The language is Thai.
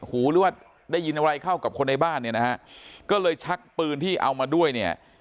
หูหรือว่าได้ยินอะไรเข้ากับคนในบ้านเนี่ยนะฮะก็เลยชักปืนที่เอามาด้วยเนี่ย